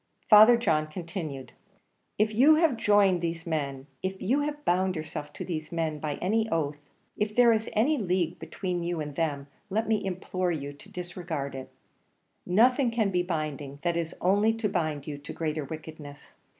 Father John continued: "If you have joined these men, if you have bound yourself to these men by any oath, if there is any league between you and them, let me implore you to disregard it; nothing can be binding, that is only to bind you to greater wickedness.